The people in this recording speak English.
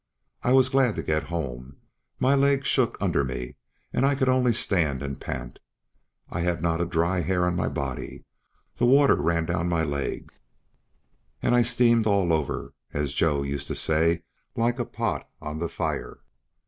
I was glad to get home; my legs shook under me, and I could only stand and pant. I had not a dry hair on my body, the water ran down my legs, and I steamed all over Joe used to say, like a pot on the fire.